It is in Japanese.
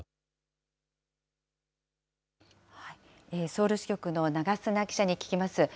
ソウル支局の長砂記者に聞きます。